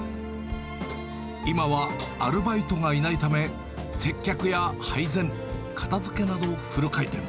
今はアルバイトがいないため、接客や配膳、片づけなどフル回転。